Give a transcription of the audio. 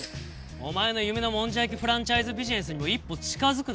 お前の夢のもんじゃ焼きフランチャイズビジネスにも一歩近づくだろ。